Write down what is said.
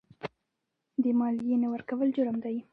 د مالیې نه ورکول جرم دی.